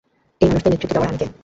এই মানুষদের নেতৃত্ব দেওয়ার আমি কে?